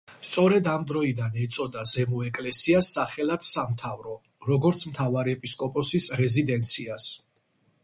სწორედ ამ დროიდან ეწოდა „ზემო ეკლესიას“ სახელად „სამთავრო“, როგორც მთავარეპისკოპოსის რეზიდენციას.